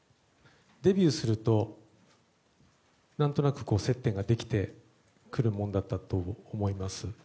デビューすると何となく接点ができてくるものだったと思います。